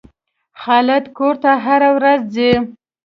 خالد کور ته هره ورځ ځي.